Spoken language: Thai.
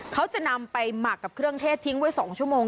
เขาจะนำไปหมักกับเครื่องเทศทิ้งไว้๒ชั่วโมง